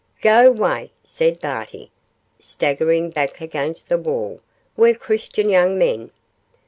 'Go 'way,' said Barty, staggering back against the wall, 'we're Christian young men.